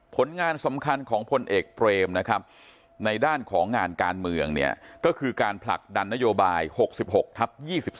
ผลงานสำคัญของพลเอกเปรมนะครับในด้านของงานการเมืองเนี่ยก็คือการผลักดันนโยบาย๖๖ทับ๒๒